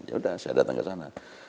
ya udah saya datang ke sana